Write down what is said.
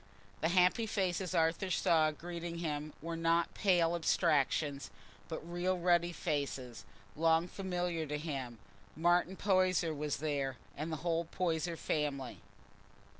The happy faces Arthur saw greeting him were not pale abstractions, but real ruddy faces, long familiar to him: Martin Poyser was there—the whole Poyser family.